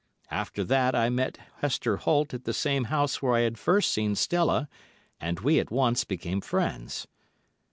After that I met Hester Holt at the same house where I had first seen Stella, and we at once became friends.